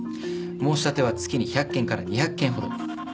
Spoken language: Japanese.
申し立ては月に１００件から２００件ほど。